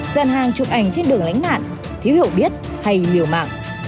giàn hàng chụp ảnh trên đường lánh nạn thiếu hiểu biết hay miều mạng